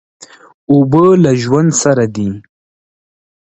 اوبه له ژوند سره دي.